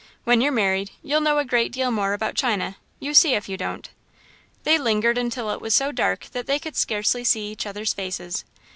"When you're married, you'll know a great deal more about china you see if you don't." They lingered until it was so dark that they could scarcely see each other's faces.